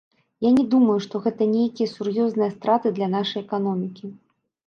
Я не думаю, што гэта нейкія сур'ёзныя страты для нашай эканомікі.